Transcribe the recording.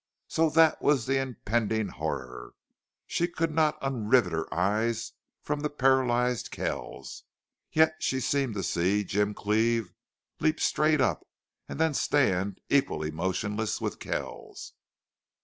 So that was the impending horror. She could not unrivet her eyes from the paralyzed Kells, yet she seemed to see Jim Cleve leap straight up, and then stand, equally motionless, with Kells.